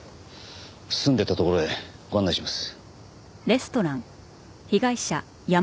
住んでいた所へご案内します。